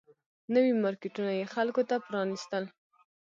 نوي مارکیټونه یې خلکو ته پرانيستل